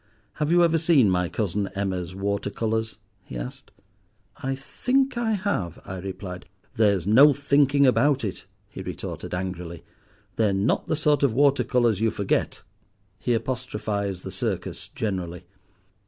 Have you ever seen my cousin Emma's water colours?" he asked. "I think I have," I replied. "There's no thinking about it," he retorted angrily. "They're not the sort of water colours you forget." He apostrophized the Circus generally.